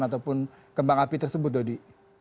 ataupun kembang api tersebut dodi